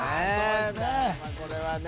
これはね